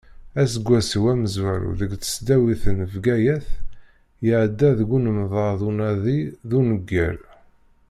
Aseggas-iw amezwaru deg tesdawit n Bgayet iɛedda deg unemḍer d unadi d udegger.